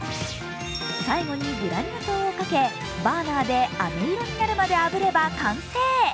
最後にグラニュー糖をかけ、バーナーであめ色になるまであぶれば完成。